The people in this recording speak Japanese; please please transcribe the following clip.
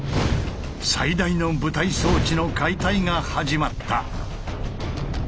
最大の舞台装置の解体が始まった。